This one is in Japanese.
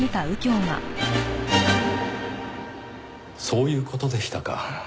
そういう事でしたか。